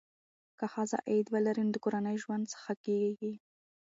که ښځه عاید ولري، نو د کورنۍ ژوند ښه کېږي.